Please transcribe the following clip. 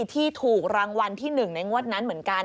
ที่ถูกรางวัลที่๑ในงวดนั้นเหมือนกัน